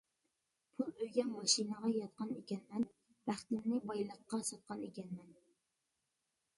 پۇل، ئۆيگە، ماشىنىغا ياتقان ئىكەنمەن، بەختىمنى بايلىققا ساتقان ئىكەنمەن.